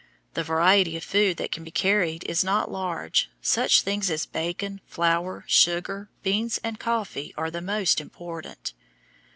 The variety of food that can be carried is not large; such things as bacon, flour, sugar, beans, and coffee are the most important.